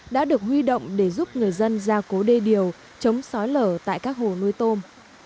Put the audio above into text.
đã được huy động để giúp người dân ra cố đê điều chống sói lở tại các hồ nuôi tôm